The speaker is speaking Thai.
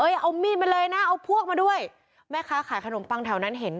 เอามีดมาเลยนะเอาพวกมาด้วยแม่ค้าขายขนมปังแถวนั้นเห็น